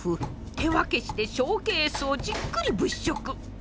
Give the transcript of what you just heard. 手分けしてショーケースをじっくり物色。